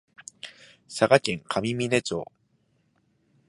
佐賀県上峰町